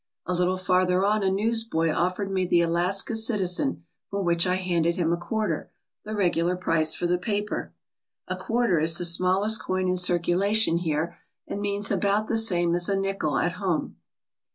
A little farther on a newsboy offered me the Alaska Citizen, for which I handed him a quarter, the regular price for the paper. A quarter is the smallest coin in circulation here and means about the same as a nickel at home.